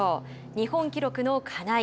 日本記録の金井。